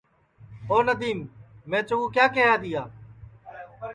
آو ندیم میں چکُو کیا کیہیا تیا